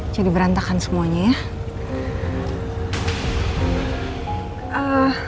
jadi berantakan semuanya ya